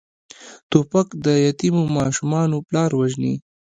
توپک د یتیمو ماشومانو پلار وژني.